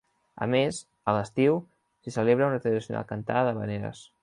A més, a l'estiu, s'hi celebra una tradicional cantada d'havaneres.